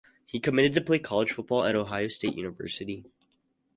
He committed to play college football at Ohio State University.